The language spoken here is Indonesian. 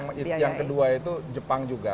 yang kedua itu jepang juga